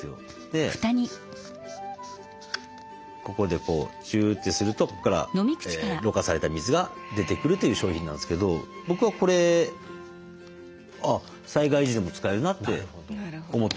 でここでこうチューッてするとここからろ過された水が出てくるという商品なんですけど僕はこれ災害時でも使えるなって思ってますけどね。